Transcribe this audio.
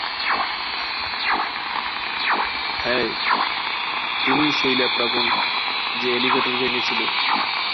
হেই, তুমিই সেই ল্যাপ্রেকন যে এলিভেটর ভেঙ্গেছিল।